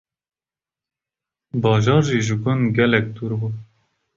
bajar jî ji gund gelek dûr bû.